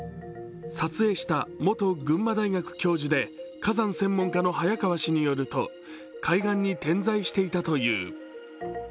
撮影した元群馬大学教授で火山専門家の早川氏によると海岸に点在していたという。